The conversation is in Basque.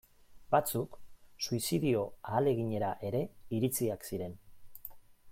Batzuk suizidio ahaleginera ere iritsiak ziren.